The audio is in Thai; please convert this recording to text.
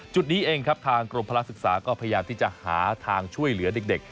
จุดนี้เองครับทางกรมพลักษึกษาก็พยายามที่จะหาทางช่วยเหลือเด็ก